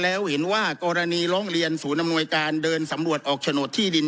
แล้วเห็นว่ากรณีร้องเรียนศูนย์อำนวยการเดินสำรวจออกโฉนดที่ดิน